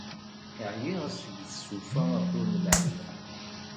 Ɛyiɣ seg tsufaɣ ur nemɛin.